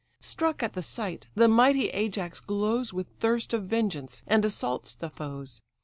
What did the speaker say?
Struck at the sight, the mighty Ajax glows With thirst of vengeance, and assaults the foes.